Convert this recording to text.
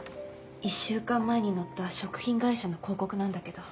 １週間前に載った食品会社の広告なんだけど。